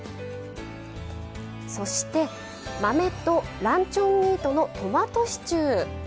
そして豆とランチョンミートのトマトシチュー。